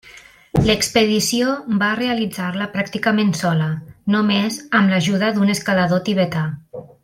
L'expedició va realitzar-la pràcticament sola, només amb l'ajuda d'un escalador tibetà.